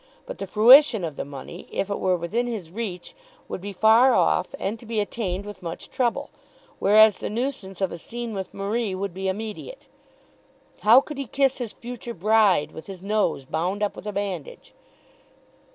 But the fruition of the money, if it were within his reach, would be far off and to be attained with much trouble; whereas the nuisance of a scene with Marie would be immediate. How could he kiss his future bride, with his nose bound up with a bandage?